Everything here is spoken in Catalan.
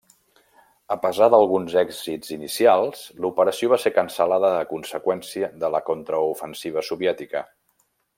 A pesar d'alguns èxits inicials, l'operació va ser cancel·lada a conseqüència de la contraofensiva soviètica.